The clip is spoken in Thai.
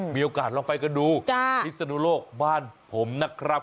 มีโอกาสลองไปกันดูพิศนุโลกบ้านผมนะครับ